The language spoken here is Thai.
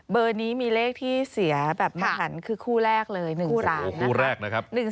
เบอร์นี้มีเลขที่เสียแบบมหันคือคู่แรกเลย๑๓คู่แรกนะครับ